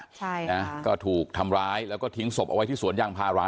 ใช่นะก็ถูกทำร้ายแล้วก็ทิ้งศพเอาไว้ที่สวนยางพารา